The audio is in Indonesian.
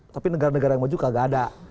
tapi negara negara yang maju kagak ada